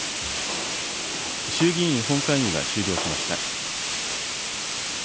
衆議院本会議が終了しました。